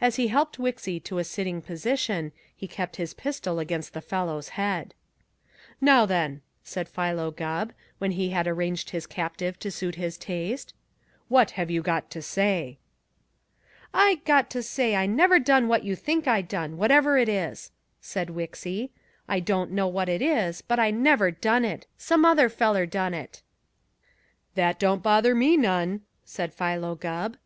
As he helped Wixy to a sitting position, he kept his pistol against the fellow's head. "Now, then," said Philo Gubb, when he had arranged his captive to suit his taste, "what you got to say?" "I got to say I never done what you think I done, whatever it is," said Wixy. "I don't know what it is, but I never done it. Some other feller done it." "That don't bother me none," said Philo Gubb.